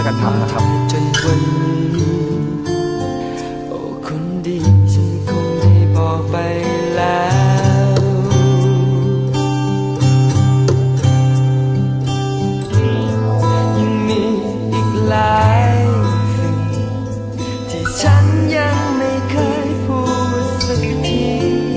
ยังมีอีกหลายที่ฉันยังไม่เคยพูดสักที